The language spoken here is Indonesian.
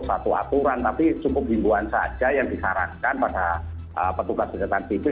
satu aturan tapi cukup bimbuan saja yang disarankan pada petugas petugas antipipil